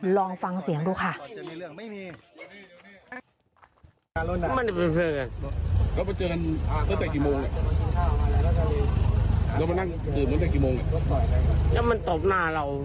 ลองฟังเสียงดูค่ะ